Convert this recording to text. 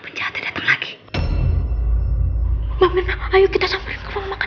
kita kalah suara suara diruang makan